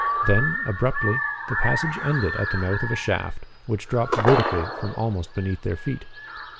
Then, abruptly, the passage ended at the mouth of a shaft, which dropped vertically from almost beneath their feet.